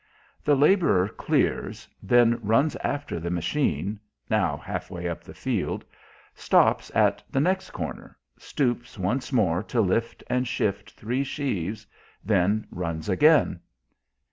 The labourer "clears," then runs after the machine now half way up the field stops at the next corner, stoops once more to lift and shift three sheaves, then runs again.